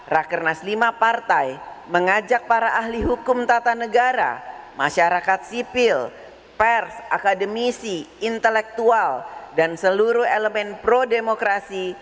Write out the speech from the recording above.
rakernas lima partai mengajak para ahli hukum tata negara masyarakat sipil pers akademisi intelektual dan seluruh elemen pro demokrasi